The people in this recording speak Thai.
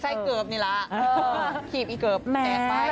ใช่เกิบนี่ละขีบอีกเกิบแตะไป